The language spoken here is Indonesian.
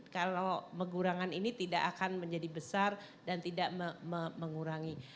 kalau kekurangan ini tidak akan menjadi besar dan tidak mengurangi